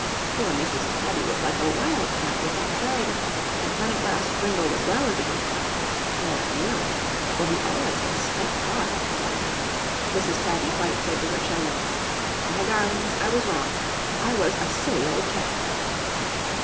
Poor Mrs. Tabby was like a wild cat with anxiety, and when at last Brindle was well again (or nearly, for he always had a slight cough after that), Mrs. Tabby White said to her children, 'My darlings, I was wrong, I was a silly old cat.'